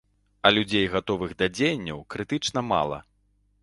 А людзей, гатовых да дзеянняў, крытычна мала.